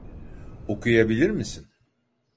Okuyabilir misin?